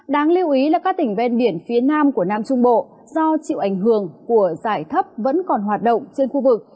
đáng lưu ý là các tỉnh ven biển phía nam của nam trung bộ do chịu ảnh hưởng của giải thấp vẫn còn hoạt động trên khu vực